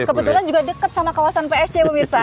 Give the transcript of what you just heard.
kebetulan juga dekat sama kawasan psc pemirsa